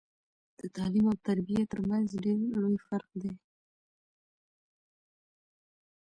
د تعليم او تربيه ترمنځ ډير لوي فرق دی